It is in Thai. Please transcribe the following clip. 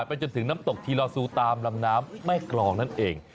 ไปจนถึงน้ำตกทีลอซูตามลำน้ำแม่กรองนั่นเอง